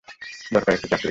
দরকার একটা চাকুরির!